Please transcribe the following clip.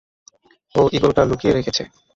ও ঈগলটা লুকিয়ে রেখেছে!